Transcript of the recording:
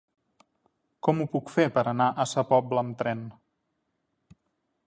Com ho puc fer per anar a Sa Pobla amb tren?